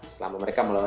selama mereka melakukan